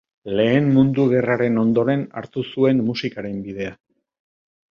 Lehen Mundu Gerraren ondoren hartu zuen musikaren bidea.